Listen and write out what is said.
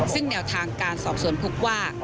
ซึ่งแนวทางการสอบสวนพบว่า